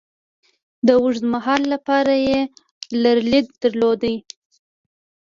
د اوږد مهال لپاره یې لرلید درلود.